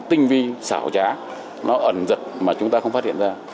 tinh vi xảo trá nó ẩn giật mà chúng ta không phát hiện ra